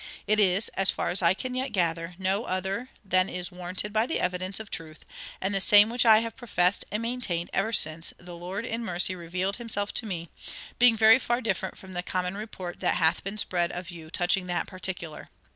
[94:1] It is, as far as I can yet gather, no other than is warranted by the evidence of truth, and the same which I have professed and maintained ever since the Lord in mercy revealed himself to me, being very far different from the common report that hath been spread of you touching that particular.